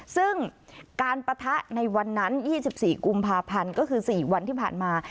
ซึ่งการปะทะในวันนั้น๒๔กุมภาพันธ์ก็คือ๔วันที่ผ่านมา